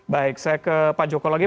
baik saya ke pak joko lagi